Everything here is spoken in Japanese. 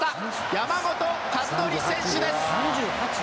山本和範選手です。